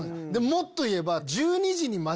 もっと言えば。